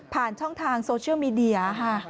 ผ่านช่องทางโซเชียลมีเดีย